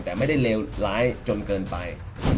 แต่ไม่ได้เลวร้ายจนเกินไป